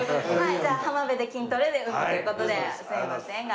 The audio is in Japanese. じゃあ浜辺で筋トレで「海」という事ですみませんが。